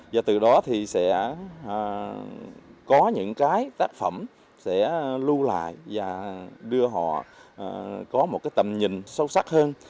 và từ đó thì sẽ có những cái tác phẩm sẽ lưu lại và đưa họ có một cái tầm nhìn sâu sắc hơn